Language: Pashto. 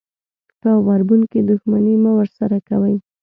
په غبرګون کې دښمني مه ورسره کوئ.